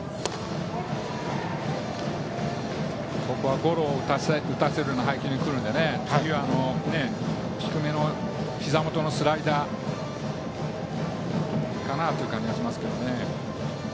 ここはゴロを打たせる配球でくるので次は低めのひざ元のスライダーかなという感じがします。